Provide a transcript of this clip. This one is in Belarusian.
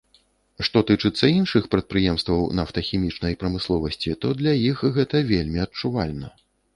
Што тычыцца іншых прадпрыемстваў нафтахімічнай прамысловасці, то для іх гэта вельмі адчувальна.